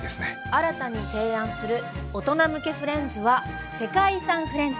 新たに提案する大人向けフレンズは世界遺産フレンズ。